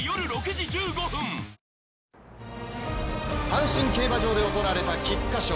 阪神競馬場で行われた菊花賞。